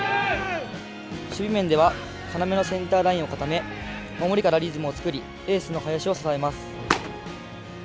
守備面では要のセンターラインを固め守りからリズムを作りエースの林を支えます。